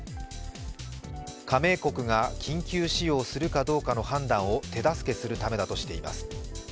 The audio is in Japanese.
加盟国が緊急使用するかどうかの判断を手助けするためだとしています。